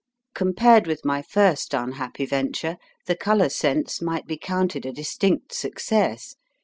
Compared with my first un happy venture, The Colour Sense might be counted a dis tinct success.